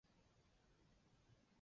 卢贝贝尔纳克。